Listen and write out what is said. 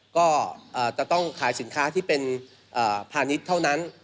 ก็จะต้องขายสินค้าที่เป็นพาณิชย์เท่านั้น